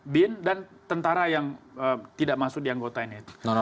bin dan tentara yang tidak masuk di anggota ini